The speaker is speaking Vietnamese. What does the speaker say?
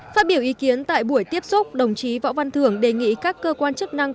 phát biểu ý kiến tại buổi tiếp xúc đồng chí võ văn thường đề nghị các cơ quan chức năng